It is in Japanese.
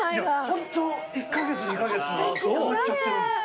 ホント１カ月２カ月埋まっちゃってるんです。